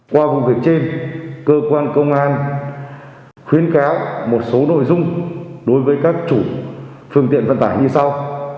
qua vụ việc trên cơ quan công an khuyến cáo một số nội dung đối với các chủ phương tiện vận tải như sau